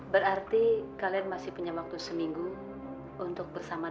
berarti kalian masih punya waktu seminggu untuk bersama sama